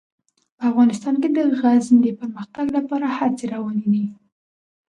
په افغانستان کې د غزني د پرمختګ لپاره هڅې روانې دي.